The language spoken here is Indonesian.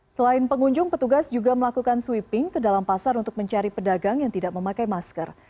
selain pengunjung petugas juga melakukan sweeping ke dalam pasar untuk mencari pedagang yang tidak memakai masker